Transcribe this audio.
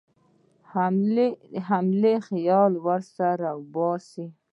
حملې خیال له سره وباسي.